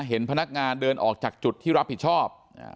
เห็นพนักงานเดินออกจากจุดที่รับผิดชอบ